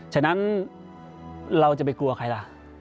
ฉะนั้นเราจะไปกลัวใครล่ะ